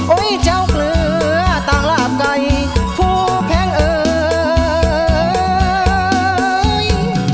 โอ๊ยเจ้าเกลื้อต่างราบไก่ผู้แป่งเอ๊ย